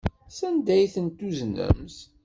Sanda ay ten-tuznemt?